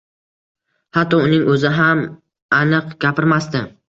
Hatto uning oʻzi ham aniq gapirmasdi.